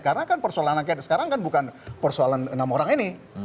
karena kan persoalan rakyat sekarang kan bukan persoalan enam orang ini